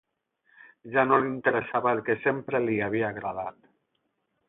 Ja no li interessava el que sempre li havia agradat.